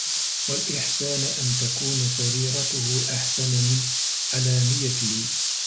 وَالْإِحْسَانَ أَنْ تَكُونَ سَرِيرَتُهُ أَحْسَنَ مِنْ عَلَانِيَتِهِ